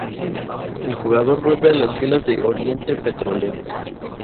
El jugador vuelve a las filas de Oriente Petrolero.